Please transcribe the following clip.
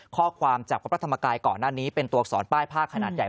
ข้อความจากวัตถามกายก่อนหน้านี้เป็นตัวสอนป้ายภาคขนาดใหญ่